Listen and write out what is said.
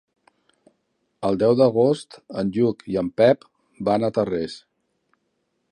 El deu d'agost en Lluc i en Pep van a Tarrés.